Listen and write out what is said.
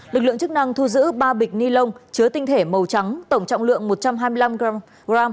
lực lượng chức năng thu giữ ba bịch ni lông chứa tinh thể màu trắng tổng trọng lượng một trăm hai mươi năm g